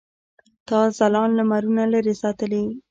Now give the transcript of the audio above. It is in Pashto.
تا ځلاند لمرونه لرې ساتلي.